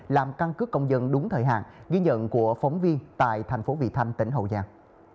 làm căn cước công dân đúng thời hạn ghi nhận của phóng viên tại thành phố vị thanh tỉnh hậu giang